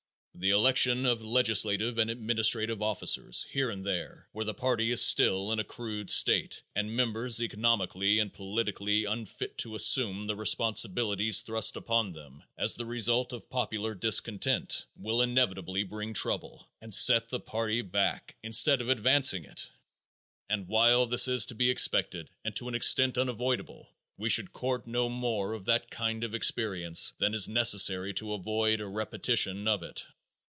The election of legislative and administrative officers, here and there, where the party is still in a crude state and the members economically and politically unfit to assume the responsibilities thrust upon them as the result of popular discontent, will inevitably bring trouble and set the party back, instead of advancing it, and while this is to be expected and is to an extent unavoidable, we should court no more of that kind of experience than is necessary to avoid a repetition of it.